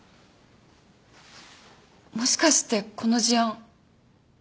もしかしてこの事案。